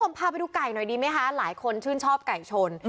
พาไปดูไก่หน่อยดีไหมคะหลายคนชื่นชอบไก่ชน